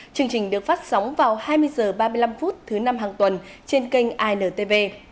chương trình được phát sóng vào hai mươi h ba mươi năm thứ năm hàng tuần trên kênh intv